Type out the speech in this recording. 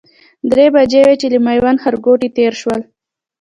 درې بجې وې چې له میوند ښارګوټي تېر شولو.